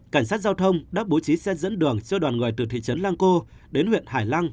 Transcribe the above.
cảnh sát giao thông đã bố trí xe dẫn đường cho đoàn người từ thị trấn lăng cô đến huyện hải lăng